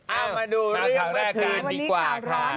เอามาดูเรื่องแรกขึ้นดีกว่าค่ะ